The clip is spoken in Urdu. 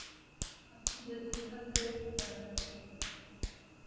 پنی جدوجہد کو جاری رکھیں